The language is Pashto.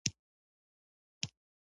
ټوله ځمکه د پاچا مربوط ده.